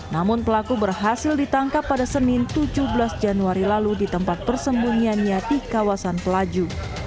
namun pelaku berhasil ditangkap pada senin tujuh belas januari lalu di tempat persembunyiannya di kawasan pelaju